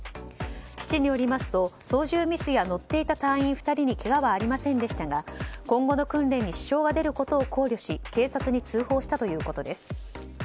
基地によりますと操縦ミスや乗っていた隊員２人にけがはありませんでしたが今後の訓練に支障があることを考慮し警察に通報したということです。